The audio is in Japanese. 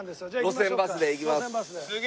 路線バスで行きます。